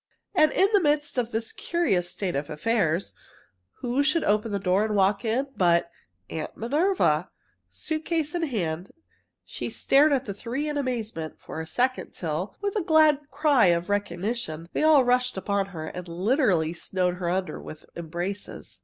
And in the midst of this curious state of affairs, who should open the door and walk in but Aunt Minerva! Suitcase in hand, she stared at the three in amazement for a second till, with a glad cry of recognition, they all rushed upon her and literally snowed her under with embraces.